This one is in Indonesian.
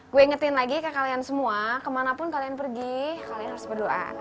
gue ingetin lagi ke kalian semua kemanapun kalian pergi kalian harus berdoa